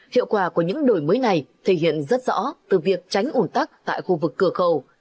hiệu quả của những đổi mới này thể hiện rất rõ từ việc tránh ủn tắc tại khu vực cửa khẩu